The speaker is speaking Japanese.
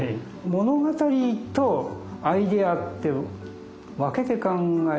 物語とアイデアって分けて考える。